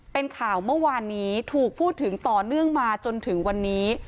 เป็นข่าวเมื่อวานนี้ถูกพูดถึงต่อเนื่องมาจนถึงวันนี้